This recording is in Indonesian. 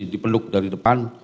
dipeluk dari depan